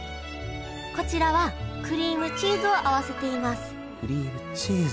こちらはクリームチーズを合わせていますクリームチーズ。